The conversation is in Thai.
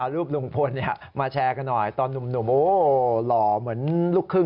รูปลุงพลมาแชร์กันหน่อยตอนหนุ่มโอ้หล่อเหมือนลูกครึ่ง